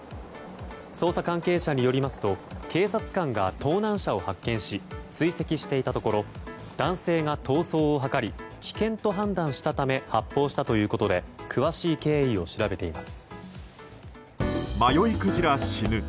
捜査関係者によりますと警察官が盗難車を発見し追跡していたところ男性が逃走を図り危険と判断したため発砲したということで詳しい経緯を調べています。